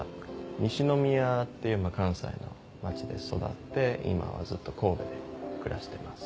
西宮っていう関西の街で育って今はずっと神戸で暮らしています。